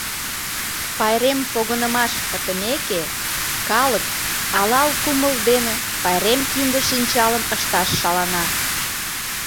Пайрем погынымаш пытымеке, калык алал кумыл дене пайрем кинде-шинчалым ышташ шалана.